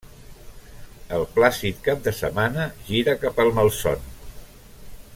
El plàcid cap de setmana gira cap al malson.